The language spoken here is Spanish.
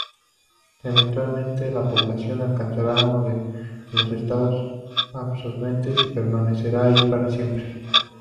Eventualmente la población alcanzará uno de los estados absorbentes y permanecerá ahí para siempre.